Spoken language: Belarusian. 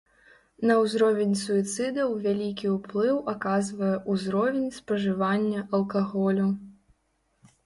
На ўзровень суіцыдаў вялікі ўплыў аказвае ўзровень спажывання алкаголю.